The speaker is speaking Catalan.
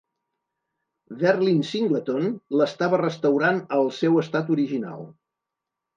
Verlin Singleton l'estava restaurant al seu estat original.